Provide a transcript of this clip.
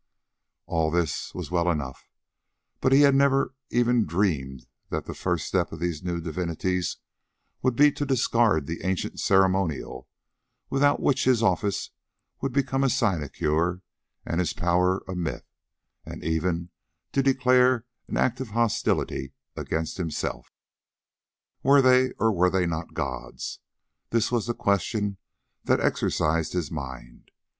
All this was well enough, but he had never even dreamed that the first step of these new born divinities would be to discard the ancient ceremonial without which his office would become a sinecure and his power a myth, and even to declare an active hostility against himself. Were they or were they not gods? This was the question that exercised his mind.